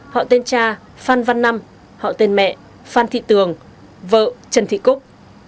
họ tên cha phan văn năm họ tên mẹ phan thị tường vợ trần thị cúc